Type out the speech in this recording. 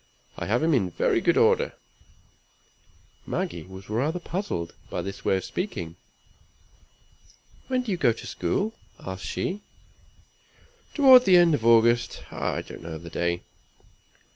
I have him in very good order." Maggie was rather puzzled by this way of speaking. "When do you go to school?" asked she. "Toward the end of August; I don't know the day."